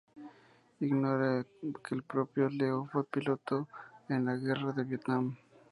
Ignora que el propio Leo fue piloto en la Guerra de Vietnam.